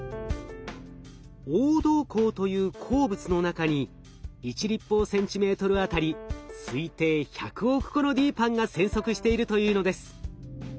黄銅鉱という鉱物の中に１立方センチメートルあたり推定１００億個のＤＰＡＮＮが生息しているというのです。